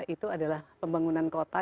itu adalah pembangunan kota